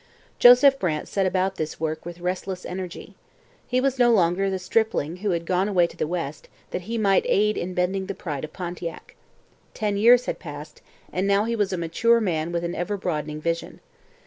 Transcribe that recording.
Joseph Brant set about this work with restless energy. He was no longer the stripling who had gone away to the West that he might aid in bending the pride of Pontiac. Ten years had passed, and now he was a mature man with an ever broadening vision.